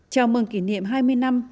chào mừng kỷ niệm hai mươi năm